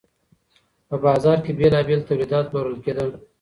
په بازار کي بیلابیل تولیدات پلورل کیدل.